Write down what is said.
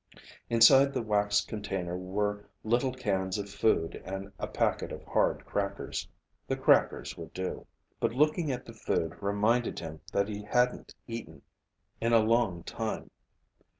Inside the waxed container were little cans of food and a packet of hard crackers. The crackers would do. But looking at the food reminded him that he hadn't eaten in a long time.